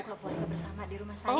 kalau puasa bersama di rumah saya